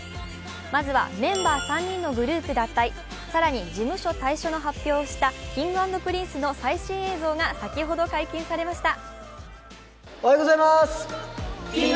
まずはメンバー３人のグループ脱退更に事務所退所の発表をしたＫｉｎｇ＆Ｐｒｉｎｃｅの最新映像が先ほど解禁されました。